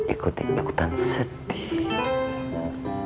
ikut ikutan setiak